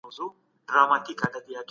ځینې برخې د وینې نشتوالی څرګندوي.